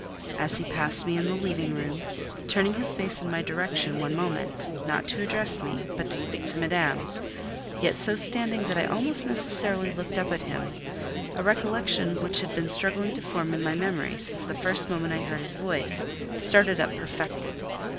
As he passed me in leaving the room, turning his face in my direction one moment—not to address me, but to speak to Madame, yet so standing, that I almost necessarily looked up at him—a recollection which had been struggling to form in my memory, since the first moment I heard his voice, started up perfected.